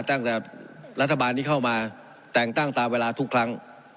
ตั้งแต่รัฐบาลนี้เข้ามาแต่งตั้งตามเวลาทุกครั้ง